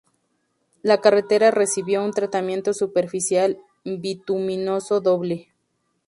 La carretera recibió un tratamiento superficial bituminoso doble.